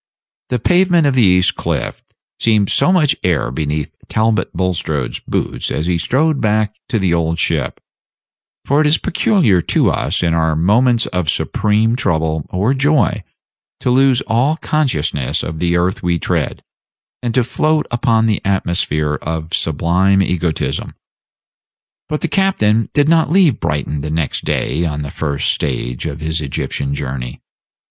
The pavement of the East Cliff seemed so much air beneath Talbot Bulstrode's boots as he strode back to the Old Ship; for it is peculiar to us, in our moments of supreme trouble or joy, to lose all consciousness of the earth we tread, and to float upon the atmosphere of sublime egotism. But the captain did not leave Brighton the next day on the first stage of his Egyptian journey.